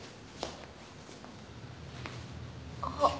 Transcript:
あっ。